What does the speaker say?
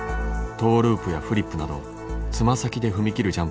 トーループやフリップなど爪先で踏み切る